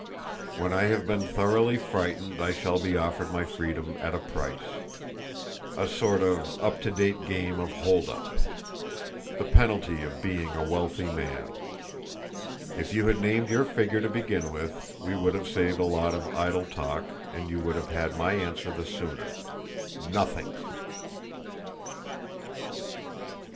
"When I have been thoroughly frightened I shall be offered my freedom at a price. A sort of up to date game of holdup! The penalty of being a wealthy man! If you had named your figure to begin with, we would have saved a lot of idle talk, and you would have had my answer the sooner: NOTHING!"